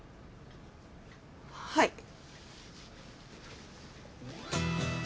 はい。